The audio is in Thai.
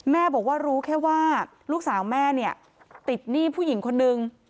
แม่บอกว่ารู้แค่ว่าลูกสาวแม่เนี่ยติดหนี้ผู้หญิงคนนึง